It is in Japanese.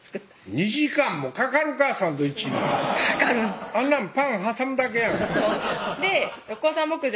２時間もかかるかサンドイッチにかかるあんなんパン挟むだけやん六甲山牧場